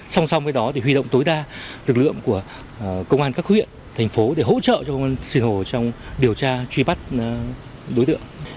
song song với đó thì huy động tối đa lực lượng của công an các huyện thành phố để hỗ trợ cho công an sinh hồ trong điều tra truy bắt đối tượng